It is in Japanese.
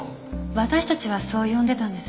私たちはそう呼んでたんです。